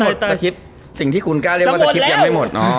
สคิปที่หยังไม่หมด